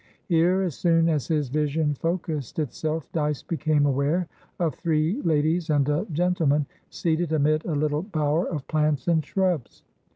Here, as soon as his vision focussed itself, Dyce became aware of three ladies and a gentleman, seated amid a little bower of plants and shrubs.